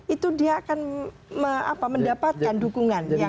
itu dia akan mendapatkan dukungan yang kuat